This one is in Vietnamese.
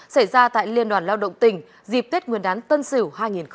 xảy ra tại liên đoàn lao động tỉnh dịp tết nguyên đán tân sửu hai nghìn hai mươi một